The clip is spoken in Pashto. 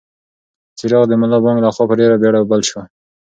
څراغ د ملا بانګ لخوا په ډېرې بېړه بل شو.